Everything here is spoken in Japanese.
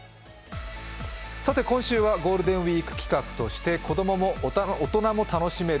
今週はゴールデンウイーク期間として「子どもも大人も楽しめる！